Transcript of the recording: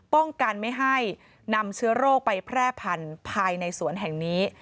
ป้องกันไม่ให้นำเชื้อโรคไปแพร่พันธุ์ภายในสวนแห่งนี้